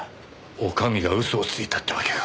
女将が嘘をついたってわけか。